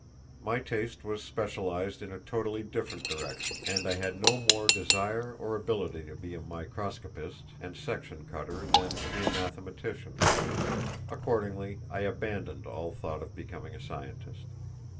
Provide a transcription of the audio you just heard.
My taste was specialized in a totally different direction, and I had no more desire or ability to be a microscopist and section cutter than to be a mathematician. Accordingly I abandoned all thought of becoming a scientist.